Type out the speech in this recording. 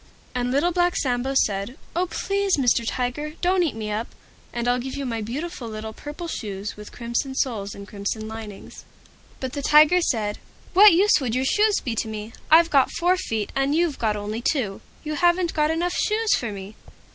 And Little Black Sambo said, "Oh! Please Mr. Tiger, don't eat me up, and I'll give you my beautiful little Purple Shoes with Crimson Soles and Crimson Linings." But the Tiger said, "What use would your shoes be to me? I've got four feet, and you've got only two; you haven't got enough shoes for me."